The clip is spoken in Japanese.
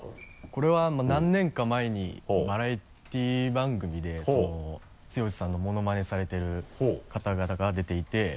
これは何年か前にバラエティー番組で剛さんのものまねされてる方々が出ていて。